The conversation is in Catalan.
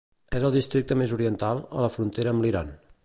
És el districte més oriental, a la frontera amb l'Iran.